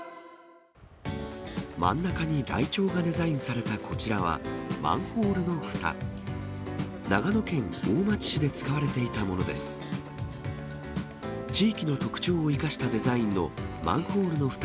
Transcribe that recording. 真ん中にライチョウがデザインされたこちらは、マンホールのふた。